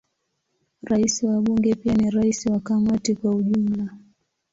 Rais wa Bunge pia ni rais wa Kamati kwa ujumla.